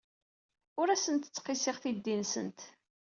Ur asent-ttqissiɣ tiddi-nsent.